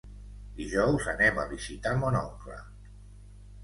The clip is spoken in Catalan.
Dijous anem a visitar mon oncle.